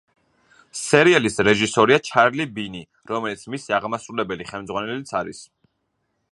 სერიალის რეჟისორია ჩარლი ბინი, რომელიც მისი აღმასრულებელი ხელმძღვანელიც არის.